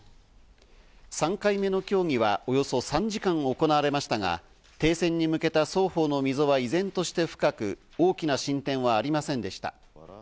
３回目の協議はおよそ３時間行われましたが、停戦に向けた双方の溝は依然として深く、大きな進展はありませんでした。